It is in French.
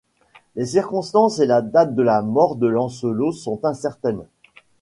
Les circonstances et la date de la mort de Lancelot sont incertaines.